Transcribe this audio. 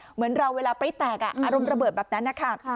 เหมือนเราเวลาปริ๊แตกอารมณ์ระเบิดแบบนั้นนะคะ